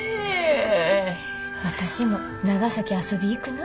私も長崎遊び行くな。